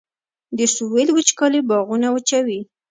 د سویل وچکالي باغونه وچوي